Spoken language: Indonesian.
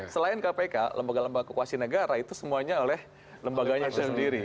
selain kpk lembaga lembaga kekuasaan negara itu semuanya oleh lembaganya sendiri